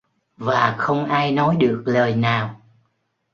Và không ai nói được lời nào